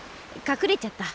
かくれちゃった。